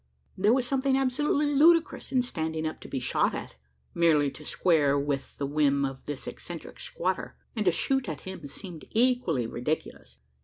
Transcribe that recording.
There was something absolutely ludicrous in standing up to be shot at, merely to square with the whim of this eccentric squatter; and to shoot at him seemed equally ridiculous.